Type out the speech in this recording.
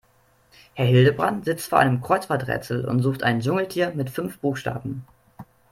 Herr Hildebrand sitzt vor einem Kreuzworträtsel und sucht ein Dschungeltier mit fünf Buchstaben.